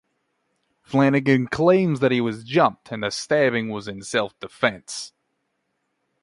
Flanagan claims that he was jumped, and the stabbing was in self-defense.